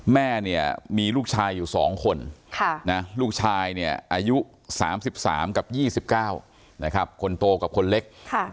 แม่มีลูกชายอยู่สองคนลูกชายอายุ๓๓กับ๒๙คนโตกับคนเล็ก